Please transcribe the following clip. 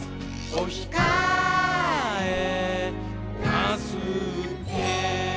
「おひかえなすって！」